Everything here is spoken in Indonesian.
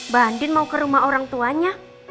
bandin mau ke rumah orang tuanya